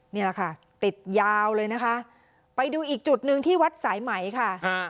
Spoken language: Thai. นี่แหละค่ะติดยาวเลยนะคะไปดูอีกจุดหนึ่งที่วัดสายไหมค่ะ